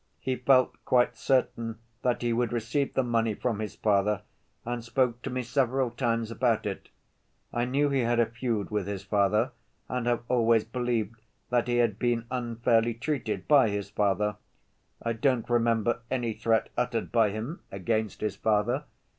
He felt quite certain that he would receive the money from his father, and spoke to me several times about it. I knew he had a feud with his father and have always believed that he had been unfairly treated by his father. I don't remember any threat uttered by him against his father.